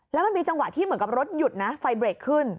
แล้วมันมีจังหวะที่เหมือนกับรถหยุดนะไฟเบรกขึ้น